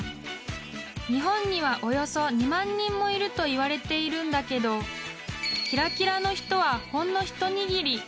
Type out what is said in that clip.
［日本にはおよそ２万人もいるといわれているんだけどキラキラの人はほんの一握り］